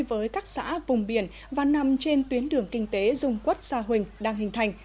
với các xã vùng biển và nằm trên tuyến đường kinh tế dung quốc sa huỳnh đang hình thành